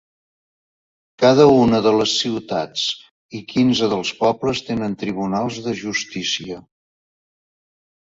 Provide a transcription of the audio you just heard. Cada una de les ciutats i quinze dels pobles tenen tribunals de justícia.